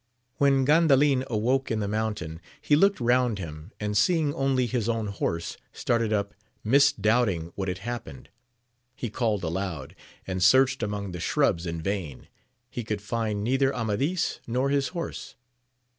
When Gandalin awoke in the mountain, he looked round him, and seeing only his own horse, started up, misdoubting what had happened; he called aloud, and searched among the shrubs in vain, he could find nei ther Amadis nor his horse.